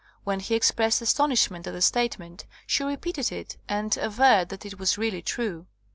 When he expressed astonishment at the statement she repeated it, and averred that it was really true!